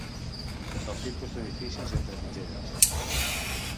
Del tipus d'edificis entre mitgeres.